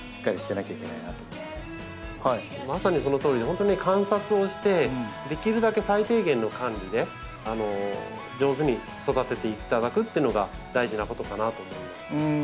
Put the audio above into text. まさにそのとおりで本当ね観察をしてできるだけ最低限の管理で上手に育てていただくというのが大事なことかなと思います。